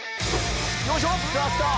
よいしょ。